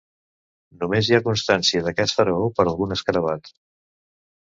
Només hi ha constància d'aquest faraó per algun escarabat.